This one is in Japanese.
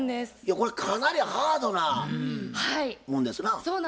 これかなりハードなもんですな？